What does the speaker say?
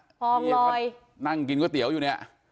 พี่ยอดนั่งกินก๋วยเตี๋ยวอยู่เนี่ย